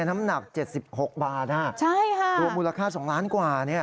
นั่ะค่ะตัวมูลค่า๒ล้านกว่า